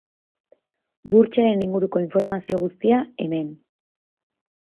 Burtsaren inguruko informazio guztia, hemen.